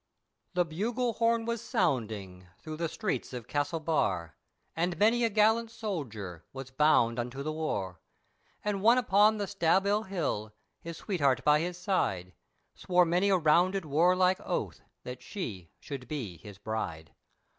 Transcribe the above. THE bugle horn was sounding through the streets of Castlebar, And many a gallant soldier, was bound unto the war, And one upon the Staball hill, his sweetheart by his side Swore many a rounded warlike oath, that she should be his bride.